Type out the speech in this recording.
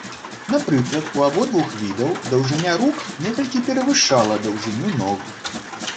Напрыклад, у абодвух відаў даўжыня рук некалькі перавышала даўжыню ног.